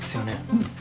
うん。